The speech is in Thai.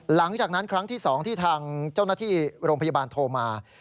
หลังจากนั้นครั้งที่๒ที่ทางเจ้าหน้าที่โรงพยาบาลโทรมา